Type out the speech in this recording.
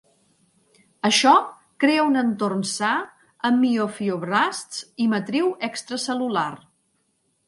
Això crea un entorn sa amb miofibroblasts i matriu extracel·lular.